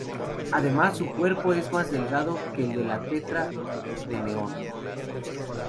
Además, su cuerpo es más delgado que el de la tetra de neón.